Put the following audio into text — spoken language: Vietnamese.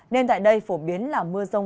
nên tại đây phổ biến là mưa rông